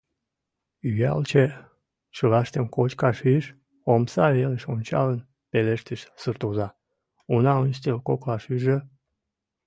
— Ӱялче, чылаштым кочкаш ӱж, — омса велыш ончалын пелештыш суртоза, унам ӱстел коклаш ӱжӧ.